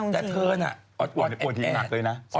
ไม่ค่อยเห็นพี่ป่วยนะ